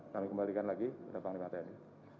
kami kembalikan lagi kepada panglima tni